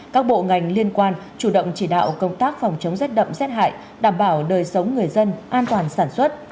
các bộ ngành liên quan chủ động chỉ đạo công tác phòng chống rét đậm rét hại đảm bảo đời sống người dân an toàn sản xuất